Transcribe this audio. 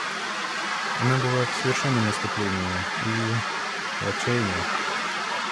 Она была в совершенном исступлении и – в отчаянии.